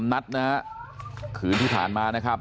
๓นัทนะครับคืนที่ผ่านมานะครับ